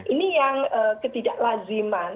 ini yang ketidak laziman